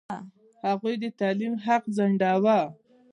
هغوی د تعلیم حق ځنډاوه.